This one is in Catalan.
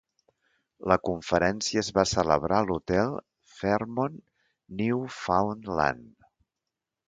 La conferència es va celebrar a l'hotel Fairmont Newfoundland.